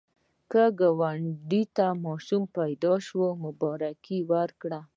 که ګاونډي ته ماشوم پیدا شي، مبارکي ورکړه